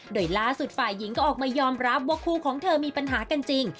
โดยล่าสุดฝ่ายหญิงก็ออกมายอมรับว่าคู่ของเธอมีปัญหากันจริง